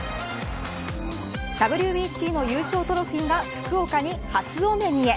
ＷＢＣの優勝トロフィーが福岡に初お目見え。